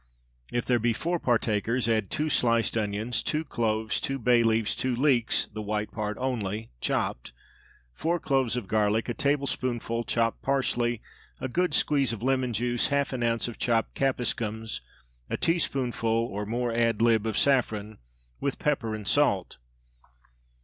If there be four partakers, add two sliced onions, two cloves, two bay leaves, two leeks (the white part only, chopped), four cloves of garlic, a tablespoonful chopped parsley, a good squeeze of lemon juice, half an ounce of chopped capsicums, a teaspoonful (or more ad lib.) of saffron, with pepper and salt.